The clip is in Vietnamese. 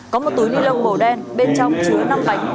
có một túi ni lông màu đen bên trong trú năm bánh